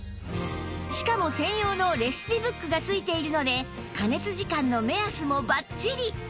しかも専用のレシピブックが付いているので加熱時間の目安もバッチリ！